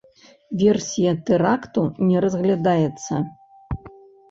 Версія тэракту не разглядаецца.